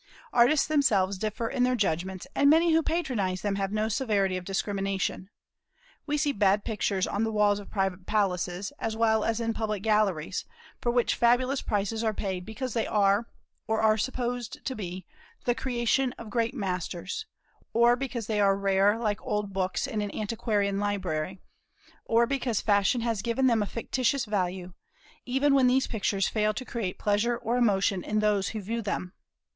Artists themselves differ in their judgments, and many who patronize them have no severity of discrimination. We see bad pictures on the walls of private palaces, as well as in public galleries, for which fabulous prices are paid because they are, or are supposed to be, the creation of great masters, or because they are rare like old books in an antiquarian library, or because fashion has given them a fictitious value, even when these pictures fail to create pleasure or emotion in those who view them.